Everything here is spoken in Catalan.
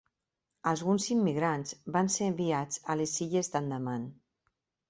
Alguns immigrants van ser enviats a les illes d'Andaman.